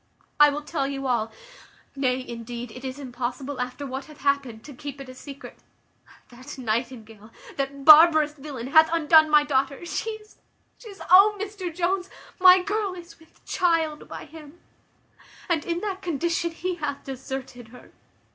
I will tell you all: nay, indeed, it is impossible, after what hath happened, to keep it a secret. That Nightingale, that barbarous villain, hath undone my daughter. She is she is oh! Mr Jones, my girl is with child by him; and in that condition he hath deserted her.